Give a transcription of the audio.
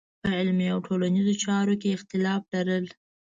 په علمي او ټولنیزو چارو کې اختلاف لرل.